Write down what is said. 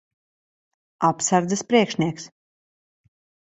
Apsardzes priekšnieks.